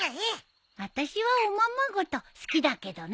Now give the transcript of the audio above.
私はおままごと好きだけどな。